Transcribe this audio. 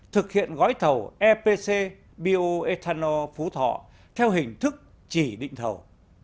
thực hiện gói thầu epc bioethanol phú thọ theo hình thức chỉ định thầu